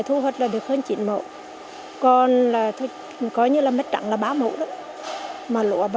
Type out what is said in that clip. thu hoạch là được hơn chín mẫu còn là có như là mất trắng là ba mẫu đó